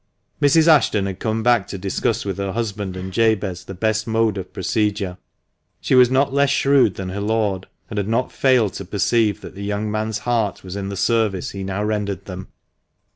Mrs. Ashton had come back to discuss with her husband and Jabez the best mode of procedure. She was not less shrewd than her lord, and had not failed to perceive that the young man's heart was in the service he now rendered them.